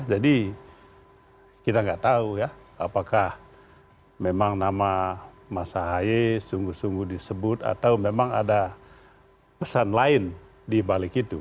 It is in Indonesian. jadi kita gak tahu ya apakah memang nama mas ahy sungguh sungguh disebut atau memang ada pesan lain dibalik itu